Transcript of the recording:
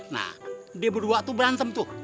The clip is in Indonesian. nah dia berdua tuh berantem tuh